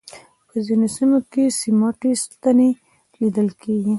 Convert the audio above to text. په ځینو سیمو کې سیمټي ستنې لیدل کېږي.